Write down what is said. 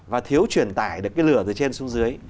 và thiếu truyền tải được cái lửa từ trên xuống dưới